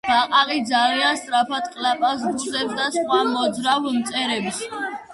ბაყაყი ძალიან სწრაფად ყლაპავს ბუზებს და სხვა მოძრავ მწერებს